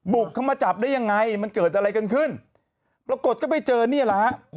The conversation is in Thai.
บุกเข้ามาจับได้ยังไงมันเกิดอะไรกันขึ้นปรากฏก็ไปเจอนี่แหละฮะ